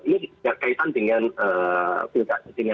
ini tidak kaitan dengan kepala daerah